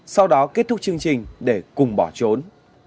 sau đó kết thúc chương trình để cùng bỏ trốn